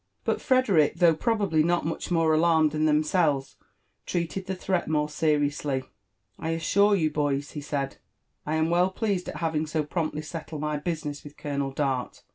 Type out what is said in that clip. But Frederick, though probably not much more alarmed than themselves, treated the threat more seriously. "I assure you, boys/' he said, ''I am well pleased at having so promptly settled my business with Colonel Dart.